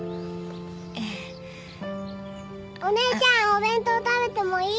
ええお姉ちゃんお弁当食べてもいい？